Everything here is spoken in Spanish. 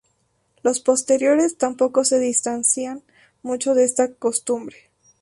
Los posteriores tampoco se distancian mucho de esta costumbre.